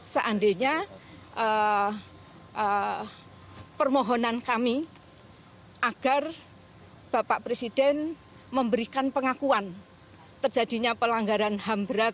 seandainya permohonan kami agar bapak presiden memberikan pengakuan terjadinya pelanggaran ham berat